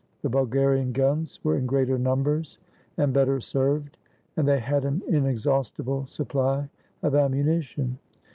The Bulgarian guns were in greater numbers and better served, and they had an inexhaustible supply of ammu nition.